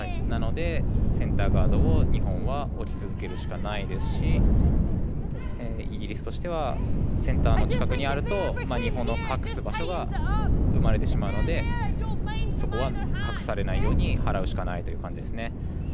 なので、センターガードを日本は置き続けるしかないですし、イギリスとしてはセンターの近くにあると日本の隠す場所が生まれてしまうのでそこは隠されないように払うしかないという感じですね。